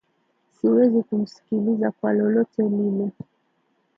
Siwezi kumsikiliza kwa lolote lile.